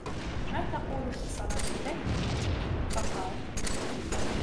مَا تَقُولُ فِي صَلَاةِ اللَّيْلِ ؟ فَقَالَ